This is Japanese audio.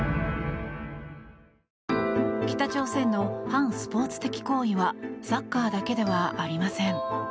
北朝鮮の反スポーツ的行為はサッカーだけではありません。